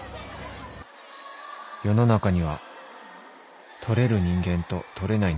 世の中には取れる人間と取れない人間がいる